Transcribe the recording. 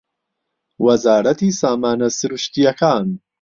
وەزارەتی سامانە سروشتییەکان